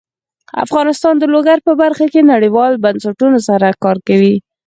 افغانستان د لوگر په برخه کې نړیوالو بنسټونو سره کار کوي.